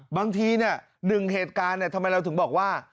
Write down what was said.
บางทีหนึ่งเหตุการณ์ทำไมเราถึงบอกว่า